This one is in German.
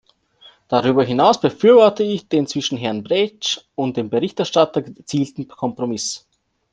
Darüber hinaus befürworte ich den zwischen Herrn Brejc und dem Berichterstatter erzielten Kompromiss.